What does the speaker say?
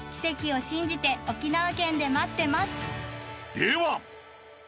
［では！］